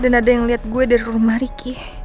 dan ada yang liat gue dari rumah riki